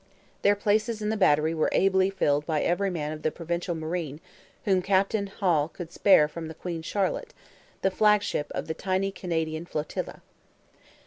Their places in the battery were ably filled by every man of the Provincial Marine whom Captain Hall could spare from the Queen Charlotte, the flagship of the tiny Canadian flotilla.